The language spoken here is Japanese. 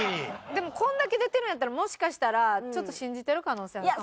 でもこれだけ出てるんやったらもしかしたらちょっと信じてる可能性あるかも。